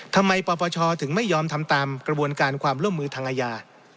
ปปชถึงไม่ยอมทำตามกระบวนการความร่วมมือทางอาญา